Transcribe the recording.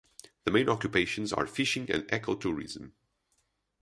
The main occupations are fishing and ecotourism.